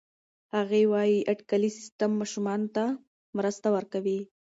هغې وايي اټکلي سیستم ماشومانو ته مرسته ورکوي.